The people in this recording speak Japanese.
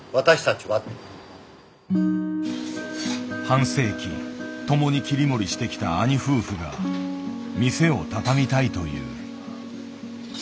半世紀共に切り盛りしてきた兄夫婦が店を畳みたいという。